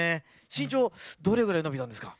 身長どれぐらい伸びたんですか？